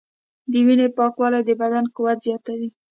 د وینې پاکوالی د بدن قوت زیاتوي.